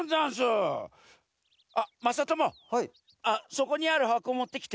そこにあるはこもってきて。